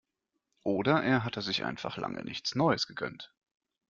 Oder er hatte sich einfach lange nichts Neues gegönnt.